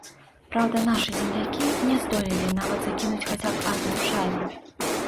Праўда, нашы землякі не здолелі нават закінуць хаця б адну шайбу.